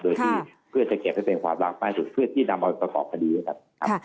โดยที่เพื่อนจะเก็บให้เป็นความรักบ้านสุดเพื่อนที่ดำเอาไปประกอบพอดีนะครับ